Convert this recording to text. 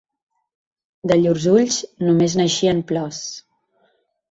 De llurs ulls, només n’eixien plors.